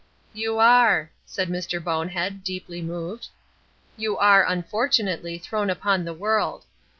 "You are," said Mr. Bonehead, deeply moved. "You are, unfortunately, thrown upon the world.